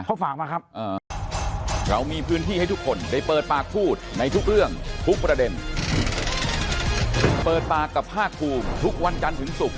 เขาฝากมาครับ